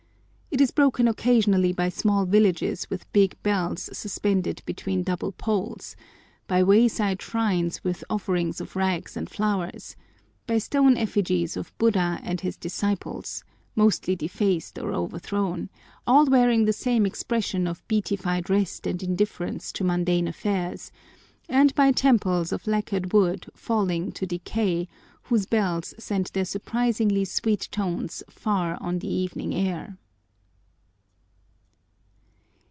It is broken occasionally by small villages with big bells suspended between double poles; by wayside shrines with offerings of rags and flowers; by stone effigies of Buddha and his disciples, mostly defaced or overthrown, all wearing the same expression of beatified rest and indifference to mundane affairs; and by temples of lacquered wood falling to decay, whose bells sent their surpassingly sweet tones far on the evening air.